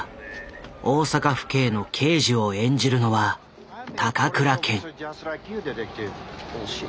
大阪府警の刑事を演じるのは高倉健。